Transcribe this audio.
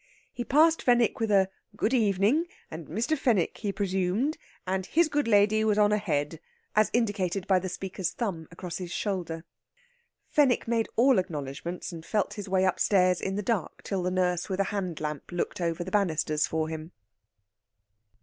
He passed Fenwick with a good evening, and Mr. Fenwick, he presumed, and his good lady was on ahead, as indicated by the speaker's thumb across his shoulder. Fenwick made all acknowledgments, and felt his way upstairs in the dark till the nurse with a hand lamp looked over the banisters for him.